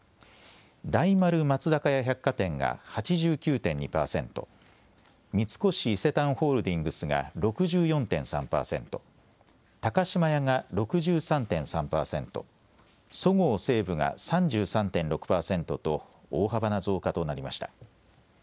大丸松坂屋百貨店が８９．２％、三越伊勢丹ホールディングスが６４．３％、高島屋が６３．３％、そごう・西武が３３．６％と大幅な増加となりました。